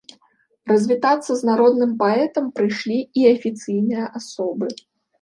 Развітацца з народным паэтам прыйшлі і афіцыйныя асобы.